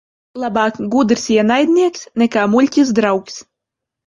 Labāk gudrs ienaidnieks nekā muļķis draugs.